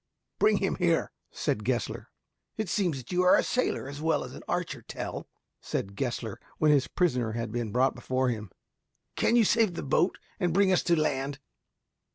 "Bring him here," said Gessler. "It seems you are a sailor as well as an archer, Tell," said Gessler, when his prisoner had been brought before him. "Can you save the boat and bring us to land?"